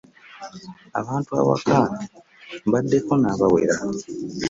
Abantu awaka mbaddeko n'abawera.